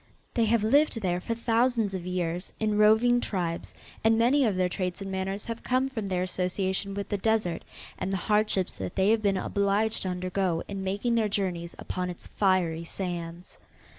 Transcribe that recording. They have lived there for thousands of years in roving tribes and many of their traits and manners have come from their association with the desert, and the hardships that they have been obliged to undergo in making their journeys upon its fiery sands.